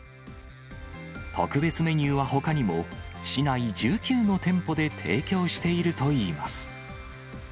特別メニューはほかにも、市内１９の店舗で提供しているといいます。